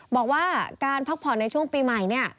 บอกว่าการพักผ่อนในช่วงปีใหม่เนี่ย